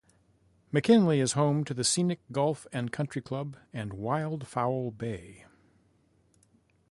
McKinley is home to the Scenic Golf and Country Club and Wild Fowl Bay.